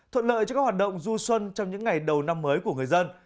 thuận lợi cho các hoạt động du xuân trong những ngày đầu năm mới của người dân